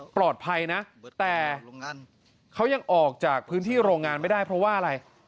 ปลอดภัยนะแต่เขายังออกจากพื้นที่โรงงานไม่ได้เพราะว่าอะไร